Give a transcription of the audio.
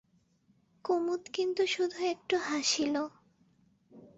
কুমুদ কিন্তু শুধু একটু হাসিল।